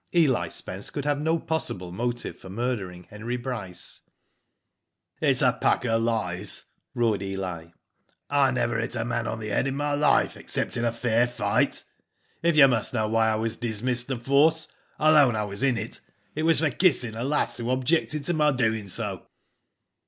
Eli Spence could have no possible motive for murdering Henry Bryce. •Digitized byGoogk OLD WIDE AWAKE. 87 It's a pack of lies/* roared Eli, "I never hit a man on the head in my life except in fair fight. If you must know why 1 was dismissed the force, — I'll own I was in it — it was for kissing a lass who objected to my doing so."